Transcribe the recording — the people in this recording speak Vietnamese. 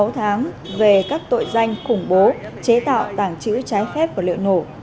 sáu tháng về các tội danh khủng bố chế tạo tàng trữ trái phép và lựa nổ